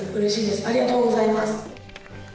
ありがとうございます。